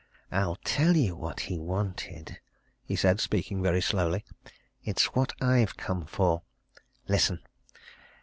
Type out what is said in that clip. "I'll tell you what he wanted!" he said speaking very slowly. "It's what I've come for. Listen!